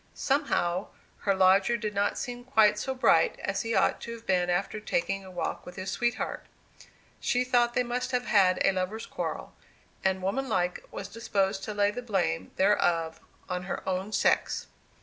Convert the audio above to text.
Somehow, her lodger did not seem quite so bright as he ought to have been after taking a walk with his sweetheart. She thought they must have had a lovers' quarrel; and, woman like, was disposed to lay the blame thereof on her own sex.